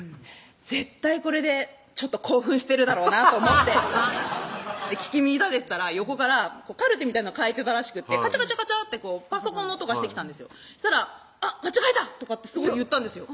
絶対これでちょっと興奮してるだろうなと思って聞き耳立ててたら横からカルテみたいなの書いてたらしくてカチャカチャカチャッてパソコンの音がしてきたんですよそしたら「あっ間違えた」とかってすごい言ったんですよ